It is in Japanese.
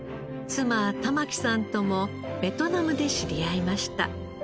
妻環さんともベトナムで知り合いました。